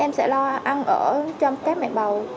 em sẽ lo ăn ở trong các mẹ bầu